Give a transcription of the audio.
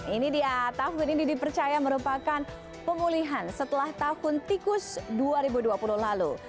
ini dia tahun ini dipercaya merupakan pemulihan setelah tahun tikus dua ribu dua puluh lalu